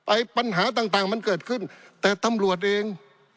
ปัญหาต่างมันเกิดขึ้นแต่ตำรวจเอง